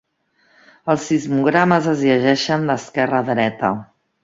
Els sismogrames es llegeixen d"esquerra a dreta.